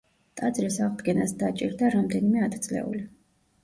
ტაძრის აღდგენას დაჭირდა რამდენიმე ათწლეული.